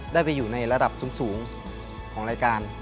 ได้ไปอยู่ในระดับสูงของรายการ